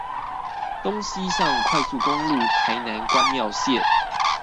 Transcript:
東西向快速公路台南關廟線